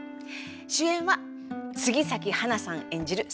主演は杉咲花さん演じる皐月。